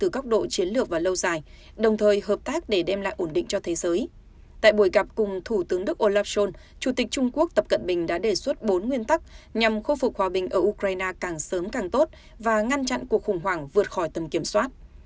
chủ tịch trung quốc tập cận bình đã đề xuất bốn nguyên tắc nhằm khôi phục hòa bình ở ukraine càng sớm càng tốt và ngăn chặn cuộc khủng hoảng vượt khỏi tầm kiểm soát